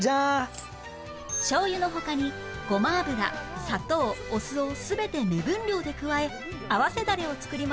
しょうゆの他にごま油砂糖お酢を全て目分量で加え合わせダレを作ります